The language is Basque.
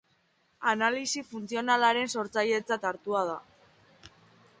Analisi funtzionalaren sortzailetzat hartua da.